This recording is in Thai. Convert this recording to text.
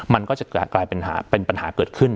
มันก็จะกลายเป็นปัญหาเกิดขึ้น